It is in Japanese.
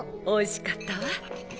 おいしかったわ。